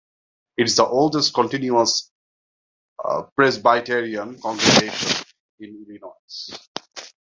It is the oldest continuous Presbyterian congregation in Illinois.